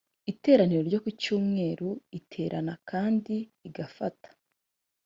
iteraniro ryo ku cyumweru iterana kandi igafata